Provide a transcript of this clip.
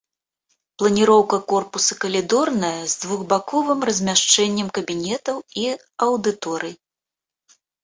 Планіроўка корпуса калідорная з двухбаковым размяшчэннем кабінетаў і аўдыторый.